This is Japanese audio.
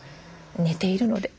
寝ているので。